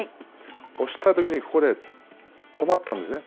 押したときに、ここで止まったんですね。